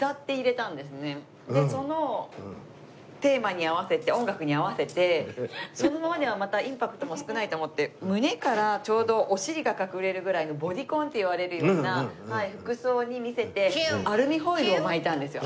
でそのテーマに合わせて音楽に合わせてそのままではまたインパクトも少ないと思って胸からちょうどお尻が隠れるぐらいのボディコンっていわれるような服装に見せてアルミホイルを巻いたんですよ。